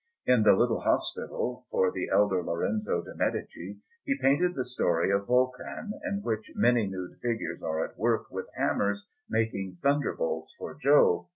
In the Little Hospital, for the elder Lorenzo de' Medici, he painted the story of Vulcan, in which many nude figures are at work with hammers making thunderbolts for Jove.